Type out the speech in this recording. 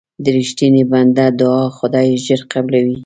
د رښتیني بنده دعا خدای ژر قبلوي.